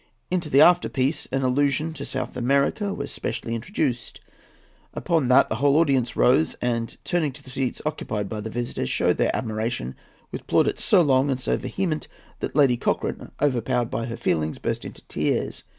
Into the after piece an allusion to South America was specially introduced. Upon that the whole audience rose and, turning to the seats occupied by the visitors, showed their admiration by plaudits so long and so vehement that Lady Cochrane, overpowered by her feelings, burst into tears.